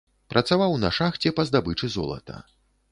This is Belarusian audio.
Працаваў на шахце па здабычы золата.